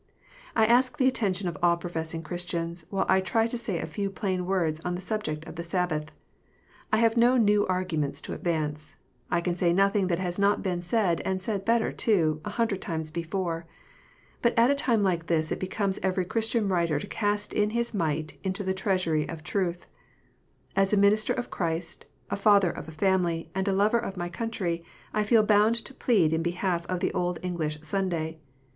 I ask the attention of all professing Christians, while I try to say a few plain words on the subject of the Sabbath. I have no new argument to advance. I can say nothing that has not been said, and said better too, a hundred times before. But at a time like this it becomes every Christian writer to cast in his mite into the treasury of truth. As a minister of Christ, a father of a family, and a lover of my country, I feel bound to plead in behalf of the old English Sunday.